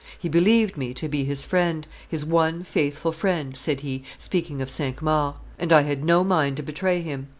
"He believed me to be his friend, his one faithful friend," said he, speaking of Cinq Mars, "and I had no mind to betray him."